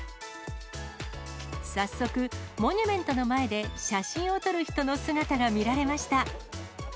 早速、モニュメントの前で写真を撮る人の姿が見られました。